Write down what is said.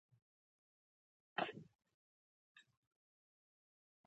شاګردان باید په ټاکلي وخت کې خبرې کولې.